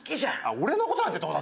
俺のことなんてどうだっていいの。